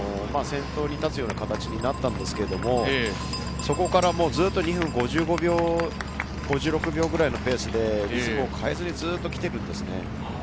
先頭に立つような形になったんですけど、そこからもずっと２分５５秒、５６秒くらいのペースでリズムを変えずに来ているんですね。